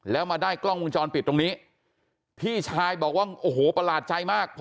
แล้วมาได้กล้องวงจรปิดตรงนี้พี่ชายบอกว่าโอ้โหประหลาดใจมากพอ